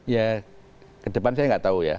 ya ke depan saya nggak tahu ya